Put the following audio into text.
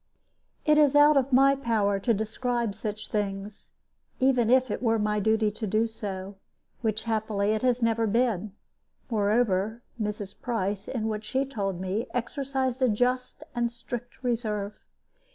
It is out of my power to describe such things, even if it were my duty to do so, which, happily, it has never been; moreover, Mrs. Price, in what she told me, exercised a just and strict reserve.